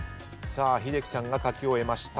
英樹さんが書き終えました。